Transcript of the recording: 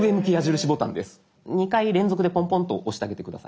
２回連続でポンポンと押してあげて下さい。